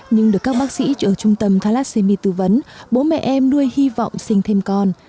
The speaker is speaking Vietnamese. nhưng được các bác sĩ ở trung tâm thalassemy tư vấn bố mẹ em nuôi hy vọng sinh thêm con